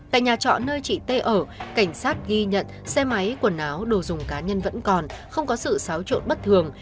tại nhà trọ nơi chị t ở cảnh sát ghi nhận xe máy quần áo đồ dùng cá nhân vẫn còn không có sự xáo trộn bất thường